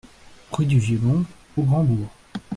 Rue du Violon au Grand-Bourg